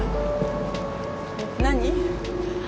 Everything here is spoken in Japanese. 何？